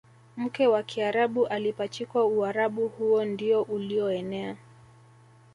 mke wa Kiarabu alipachikwa Uarabu huo ndiyo uliyoenea